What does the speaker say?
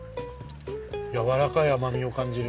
やわらかい甘みを感じる。